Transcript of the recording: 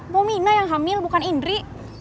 mau mina yang hamil bukan indri